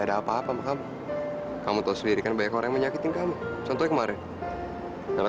seorang owner hotel bintang lima bisa jaga maneranya sama siapa aja